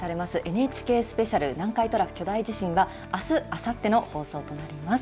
ＮＨＫスペシャル南海トラフ巨大地震は、あす、あさっての放送となります。